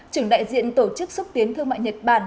trưởng đại diện tổ chức xúc tiến thương mại nhật bản